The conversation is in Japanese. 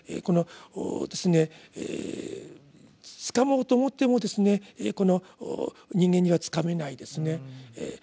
このつかもうと思ってもこの人間にはつかめないですね。